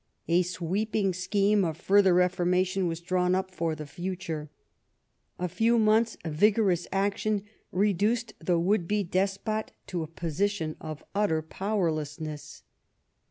A sweeping scheme of further reformation was drawn up for the future. A few months' vigorous action reduced the would be despot to a position of utter powerlessness.